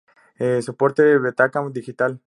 Soporte: Betacam digital.